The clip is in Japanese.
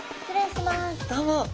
どうも。